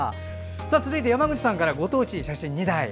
続いて山口さんからご当地写真２枚。